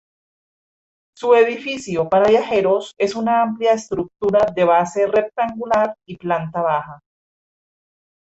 Su edificio para viajeros es una amplia estructura de base rectangular y planta baja.